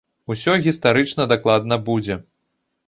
Усё гістарычна дакладна будзе.